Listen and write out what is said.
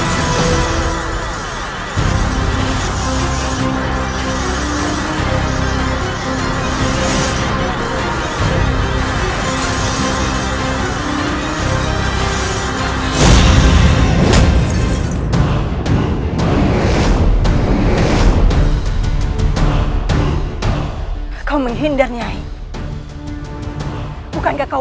jangan sampai kau menyesal sudah menentangku